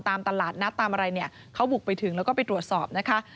ตามตลาดนัดตามอะไรเนี่ยเขาบุกไปถึงแล้วก็ไปตรวจสอบนะคะ